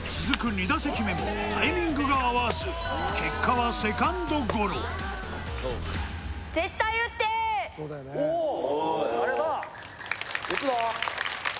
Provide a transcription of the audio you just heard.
２打席目もタイミングが合わず結果はセカンドゴロおおっ！